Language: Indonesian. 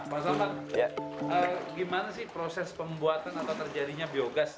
pak selamat bagaimana proses pembuatan atau terjadinya biogas